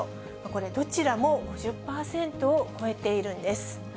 これ、どちらも５０％を超えているんです。